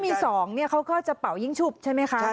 คือถ้ามี๒เขาก็จะเป่ายิงฉุบใช่ไหมคะ